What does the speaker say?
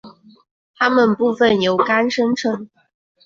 它们部分由肝生成。